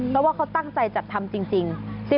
เพราะว่าเขาตั้งใจจัดทำจริง